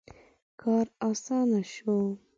• کار آسانه شو.